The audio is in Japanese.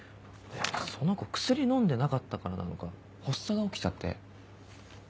その子薬飲んでなかったからなのか発作が起きちゃって。